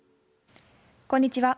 こんにちは。